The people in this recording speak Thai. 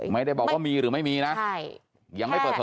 ไม่ได้บอกว่ามีหรือไม่มีนะ